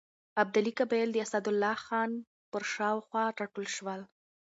ابدالي قبایل د اسدالله خان پر شاوخوا راټول شول.